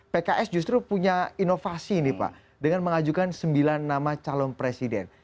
pks justru punya inovasi nih pak dengan mengajukan sembilan nama calon presiden